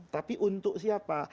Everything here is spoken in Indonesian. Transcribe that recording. tapi untuk siapa